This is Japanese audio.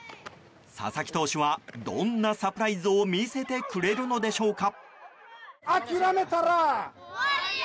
佐々木投手はどんなサプライズを見せてくれるのでしょうか。